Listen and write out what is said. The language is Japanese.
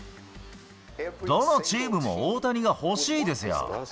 どのチームも大谷が欲しいですよ。